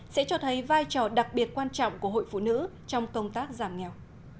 sẽ cho thấy vai trò đặc biệt quan trọng của hội phụ nữ trong công tác giảm nghèo